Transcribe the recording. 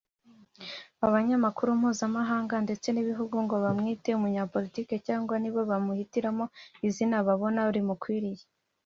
abanyamakuru mpuzamahanga ndetse n’ibihugu ngo bamwite umunyapolitiki cyangwa nibo bamuhitiramo izina babona rimukwiriye